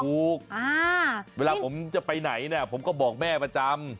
เวลาผมจะไปไหนเนี่ยผมก็บอกแม่ประจำ